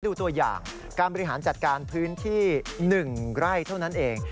ตัวอย่างการบริหารจัดการพื้นที่๑ไร่เท่านั้นเอง